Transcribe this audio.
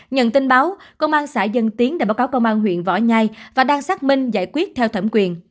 nhận tin báo công an xã dân tiến đã báo cáo công an huyện võ nhai và đang xác minh giải quyết theo thẩm quyền